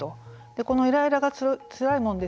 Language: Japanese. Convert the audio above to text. このイライラがつらいものですから